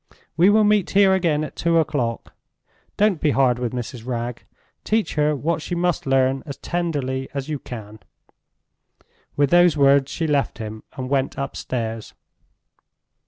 We will meet here again at two o'clock. Don't be hard with Mrs. Wragge; teach her what she must learn as tenderly as you can." With those words she left him, and went upstairs.